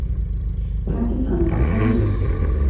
他心疼小孙女